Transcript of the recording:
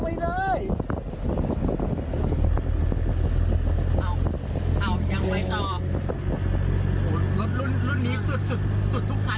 ไม่ได้น่ะเอาแล้วครับขึ้นประลำสี่ด้วยแล้วย้อนสอนครับ